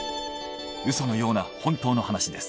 ウソのような本当の話です。